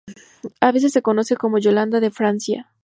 A veces se conoce como "Yolanda de Francia".